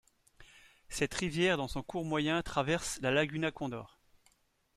Cette rivière, dans son cours moyen, traverse la laguna Cóndor.